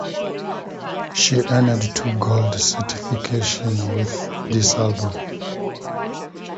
She earned two gold certifications with this album.